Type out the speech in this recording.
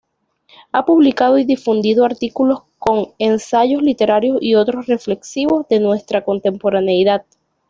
Ha publicado y difundido artículos con ensayos literarios y otros reflexivos de nuestra contemporaneidad.